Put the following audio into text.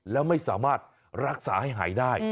แล้วไม่สามารถรักษาให้หายได้